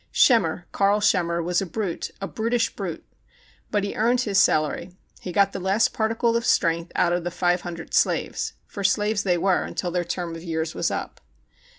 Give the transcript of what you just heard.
Schemmer, Karl Schemmer, was a brute, a brutish brute. But he earned his salary. He got the last particle of strength out of the five hundred slaves ; for slaves they were until their term of years was up.